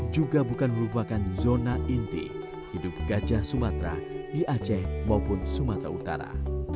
juga bukan merupakan zona inti hidup gajah sumatera di aceh maupun sumatera utara